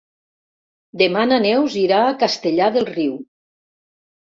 Demà na Neus irà a Castellar del Riu.